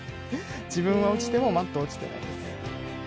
自分は落ちてもマットは落ちてないです。